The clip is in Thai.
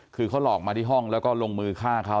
คือเขาหลอกมาที่ห้องแล้วก็ลงมือฆ่าเขา